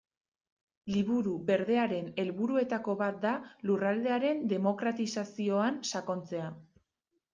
Liburu Berdearen helburuetako bat da lurraldearen demokratizazioan sakontzea.